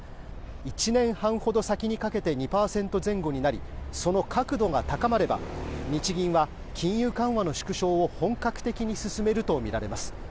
１年半ほど先にかけて２％前後になりその確度が高まれば日銀は金融緩和の縮小を本格的に進めるとみられます。